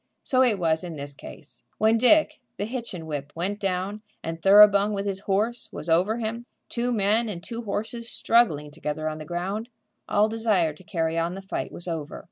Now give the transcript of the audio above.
So it was in this case. When Dick, the Hitchin whip, went down, and Thoroughbung, with his horse, was over him, two men and two horses struggling together on the ground, all desire to carry on the fight was over.